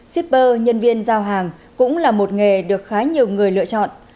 shipper nhân viên giao hàng cũng là một nghề được khá nhiều người lựa chọn